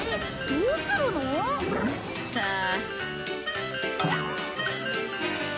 どうするの？さあ。